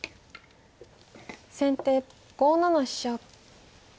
先手５七飛車。